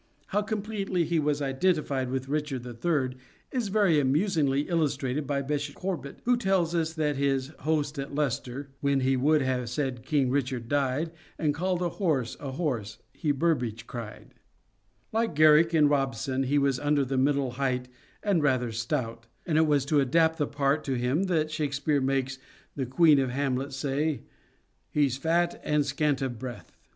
How completely he was identified with Richard III. is very amusingly illustrated by Bishop Corbet, who tells us that his host at Leicester — When he would have said King Richard died, And called a horse ! a horse ! he Burbage cried. 22 SHAKESPEAREAN THEATRES Like Garrick and Robson, he was under the middle height and rather stout, and it was to adapt the part to him that Shakespeare makes the Queen say of Hamlet, " He's fat and scant of breath."